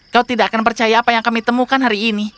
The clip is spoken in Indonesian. kau tidak akan percaya apa yang kami temukan hari ini